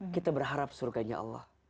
kita berharap surganya allah